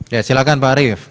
ya silahkan pak arief